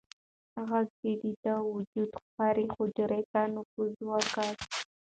غږ د ده د وجود هرې حجرې ته نفوذ وکړ.